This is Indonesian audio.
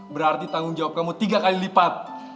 berarti tanggung jawab kamu tiga kali lipat